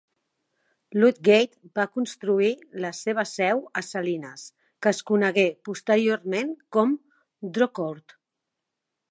Ludgate va construir la seva seu a Salines, que es conegué posteriorment com Drocourt.